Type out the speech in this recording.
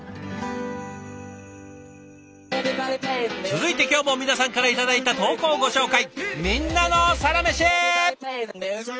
続いて今日も皆さんから頂いた投稿をご紹介。